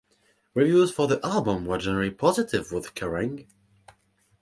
Reviews for the album were generally positive with Kerrang!